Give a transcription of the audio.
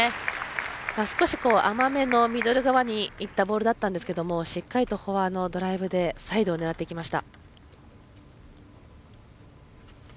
少し甘めのミドル側にいったボールだったんですがしっかりフォアのドライブでサイドを狙っていきました。